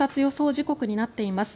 時刻になっています。